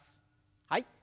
はい。